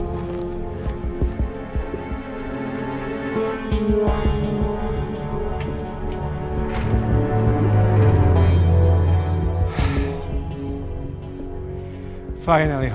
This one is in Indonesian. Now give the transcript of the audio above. kepalung gue mana nih